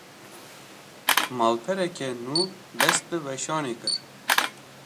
Malpereke nû, dest bi weşanê kir